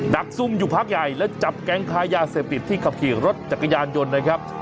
ดักซุ่มอยู่พักใหญ่และจับแก๊งค้ายาเสพติดที่ขับขี่รถจักรยานยนต์นะครับ